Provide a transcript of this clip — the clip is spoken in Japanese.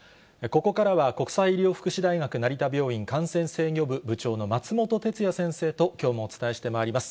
ここからは国際医療福祉大学成田病院感染制御部部長の松本哲哉先生ときょうもお伝えしてまいります。